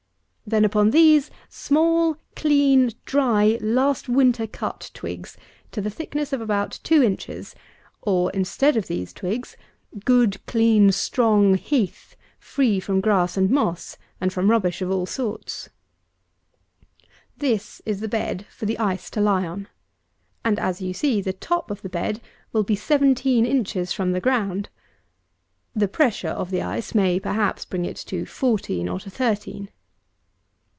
Then upon these, small, clean, dry, last winter cut twigs, to the thickness of about two inches; or, instead of these twigs, good, clean, strong heath, free from grass and moss, and from rubbish of all sorts. 248. This is the bed for the ice to lie on; and as you see, the top of the bed will be seventeen inches from the ground. The pressure of the ice may, perhaps, bring it to fourteen, or to thirteen.